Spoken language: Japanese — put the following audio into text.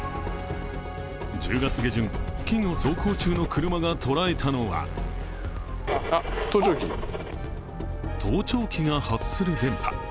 １０月下旬付近を走行中の車が捉えたのは盗聴器が発する電波。